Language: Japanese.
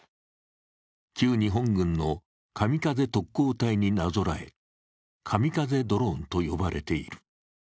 旧日本軍の神風特攻隊になぞらえ、カミカゼドローンと呼ばれている。